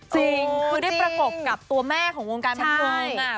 จริงคือได้ประกบกับตัวแม่ของวงการบันเทิง